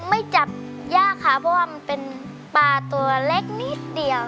ไม่จับยากค่ะเพราะว่ามันเป็นปลาตัวเล็กนิดเดียว